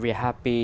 rất tự hào